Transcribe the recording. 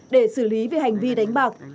để xử lý về hành vi đánh bạc